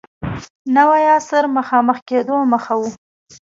نوي عصر مخامخ کېدو مخه و.